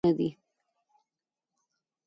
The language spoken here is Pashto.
آریانا جغرافیایي نومونه او مفهومونه دي.